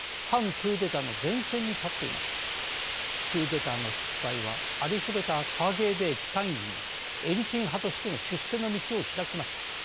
クーデターの失敗はありふれたＫＧＢ機関員にエリツィン派としての出世の道を開きました。